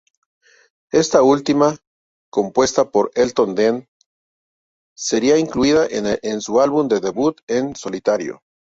Esta última, compuesta por Elton Dean, sería incluida en su álbum debut en solitario.